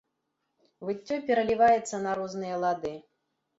Выццё пераліваецца на розныя лады.